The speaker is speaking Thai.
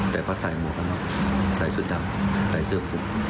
แต่พอใส่หมวก็ไม่เข้าใส่ชุดดำใส่เสื้อคุม